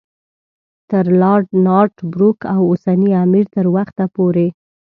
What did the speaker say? تر لارډ نارت بروک او اوسني امیر تر وخته پورې.